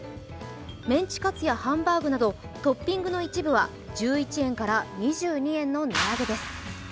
メンチカツやハンバーグなどトッピングの一部は１１円から２２円の値上げです。